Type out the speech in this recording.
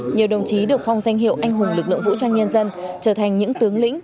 nhiều đồng chí được phong danh hiệu anh hùng lực lượng vũ trang nhân dân trở thành những tướng lĩnh